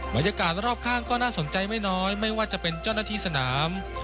บรรยากาศรอบข้างก็น่าสนใจไม่น้อยไม่ว่าจะเป็นเจ้าหน้าที่สนาม